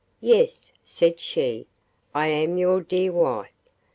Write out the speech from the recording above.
'Yes,' said she, 'I am your dear wife!